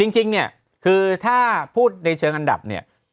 จริงเนี่ยคือถ้าพูดในเชิงอันดับเนี่ย